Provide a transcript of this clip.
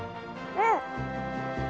うん！